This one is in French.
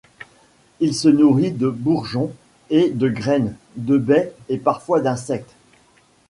Il se nourrit de bourgeons et de graines, de baies et parfois d'insectes.